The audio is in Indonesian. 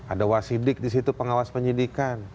ada wasidik di situ pengawas penyidikan